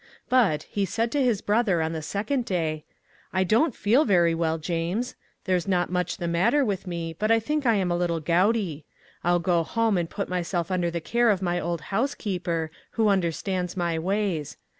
But, he said to his brother on the second day, 'I don't feel very well, James. There's not much the matter with me; but I think I am a little gouty. I'll go home and put myself under the care of my old housekeeper, who understands my ways.